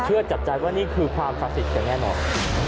เชื่อจับใจว่านี่คือความคลาสิตกันแน่นอน